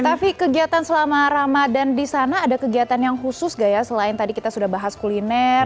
tapi kegiatan selama ramadan di sana ada kegiatan yang khusus gak ya selain tadi kita sudah bahas kuliner